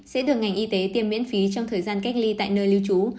sẽ được ngành y tế tiêm miễn phí trong thời gian cách ly tại nơi lưu trú